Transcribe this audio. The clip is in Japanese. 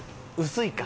薄い。